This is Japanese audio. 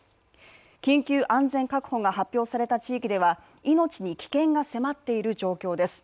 緊急安全確保が発表された地域では命に危険が迫っている状況です。